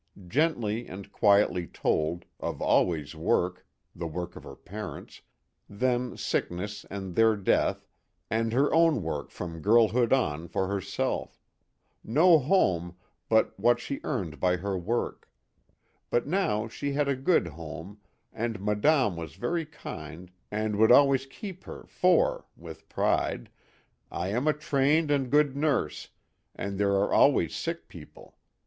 Gently and quietly told, of always work the work of her parents then sickness and their death and her own work from girlhood on for herself no home but what she earned by her work ; but now she had a good home and Madame was very kind and would always keep her, " for " (with pride) " I am a trained and good nurse, and there are always sick people.